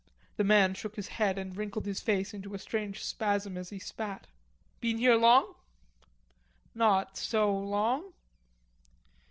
The man shook his head and wrinkled his face into a strange spasm as he spat. "Been here long?" "Not so long."